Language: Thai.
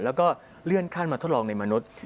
แล้วก็เลื่อนขั้นมาทดลองในมนุษย์